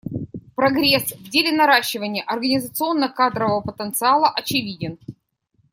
Прогресс в деле наращивания организационно-кадрового потенциала очевиден.